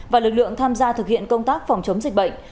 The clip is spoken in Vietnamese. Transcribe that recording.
và lực lượng tham gia thực hiện công tác phòng chống dịch bệnh